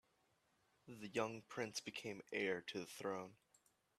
The young prince became heir to the throne.